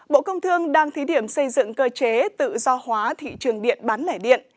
bộ công thương đang thí điểm xây dựng cơ chế tự do hóa thị trường điện bán lẻ điện